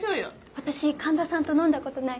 私環田さんと飲んだことない。